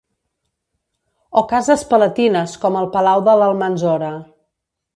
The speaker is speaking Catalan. O cases palatines com el Palau de l'Almanzora.